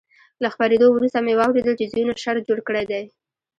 له خپرېدو وروسته مې واورېدل چې ځینو شر جوړ کړی دی.